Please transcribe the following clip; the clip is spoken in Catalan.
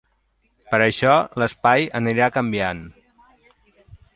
Per això l’espai anirà canviant.